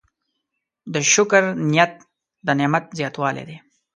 د شکر نیت د نعمت زیاتوالی دی.